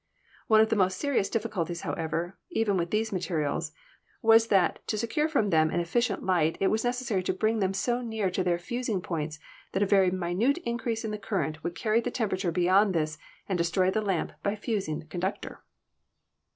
One of the most serious difficulties, however, even with these materials, was that to secure from them an efficient light it was necessary to bring them so near to their fusing points that a very minute increase in the current would carry the tempera ture beyond this and destroy the lamp by fusing the con ductor.